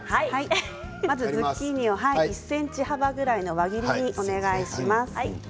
ズッキーニを１ｃｍ幅の輪切りにお願いします。